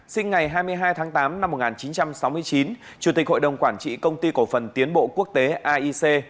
sinh ngày hai mươi hai tháng tám năm một nghìn chín trăm sáu mươi chín chủ tịch hội đồng quản trị công ty cổ phần tiến bộ quốc tế aic